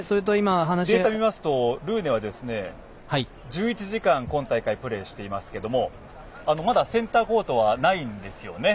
データを見ますとルーネは、１１時間今大会プレーしていますけどもまだセンターコートはないんですよね。